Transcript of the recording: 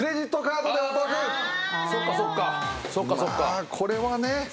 まあこれはね。